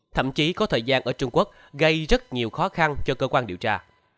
thậm chí có thời gian ở trung quốc gây rất nhiều khó khăn cho cơ quan điều tra